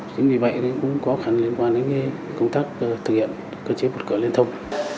chính vì vậy cũng có khó khăn liên quan đến công tác thực hiện cơ chế bột cửa liên thông